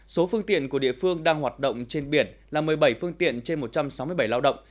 số phương tiện của địa phương đang hoạt động trên biển là một mươi bảy phương tiện trên một trăm sáu mươi bảy lao động